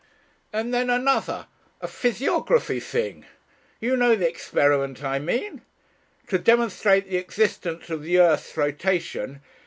And then another a physiography thing. You know the experiment I mean? To demonstrate the existence of the earth's rotation.